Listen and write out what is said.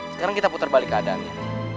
sekarang kita putar balik keadaannya